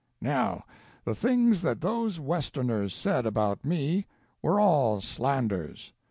"Now, the things that those Westerners said about me were all slanders.